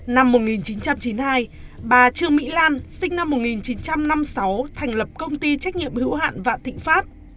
năm một nghìn chín trăm chín mươi hai bà trương mỹ lan sinh năm một nghìn chín trăm năm mươi sáu thành lập công ty trách nhiệm hữu hạn vạn thịnh pháp